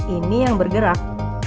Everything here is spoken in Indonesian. ini yang bergerak